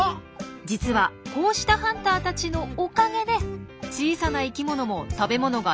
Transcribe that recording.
実はこうしたハンターたちのおかげで小さな生きものも食べ物が手に入るんですよ。